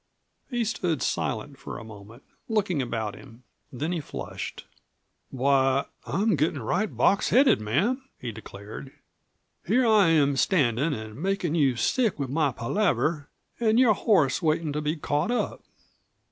He stood silent for a moment, looking about him. Then he flushed. "Why, I'm gettin' right box headed, ma'am," he declared. "Here I am standin' an' makin' you sick with my palaver, an' your horse waitin' to be caught up."